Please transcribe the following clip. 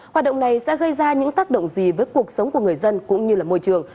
hoạt động này sẽ gây ra những tác động gì với cuộc sống của người dân cũng như là môi trường